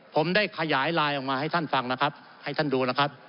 ผมได้ขยายไลน์ออกมาให้ท่านฟังให้ท่านดู